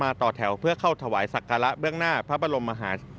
ต่อแถวเพื่อเข้าถวายศักระเบื้องหน้าพระบรมมหา